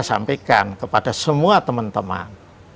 sampaikan kepada semua teman teman